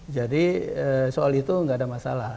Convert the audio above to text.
jadi soal itu tidak ada masalah